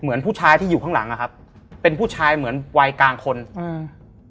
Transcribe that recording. เหมือนผู้ชายที่อยู่ข้างหลังอ่ะครับเป็นผู้ชายเหมือนวัยกลางคนอืม